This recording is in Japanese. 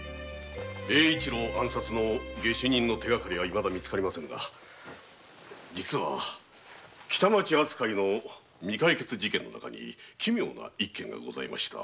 英一郎暗殺の下手人の手がかりはまだですが北町扱いの未解決事件の中に奇妙な一件がございました。